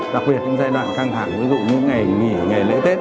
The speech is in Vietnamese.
đặc biệt những giai đoạn căng thẳng ví dụ như ngày nghỉ ngày lễ tết